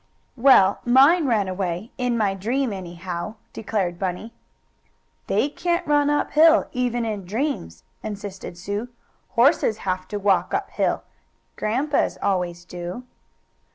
"Well, mine ran away, in my dream, anyhow!" declared Bunny. "They can't run up hill, even in dreams," insisted Sue. "Horses have to walk up hill. Grandpa's always do."